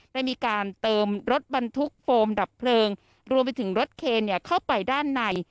ได้มีการเติมรถบรรทุกโฟมดับเพลิงรวมไปถึงรถเคนเข้าไปด้านใน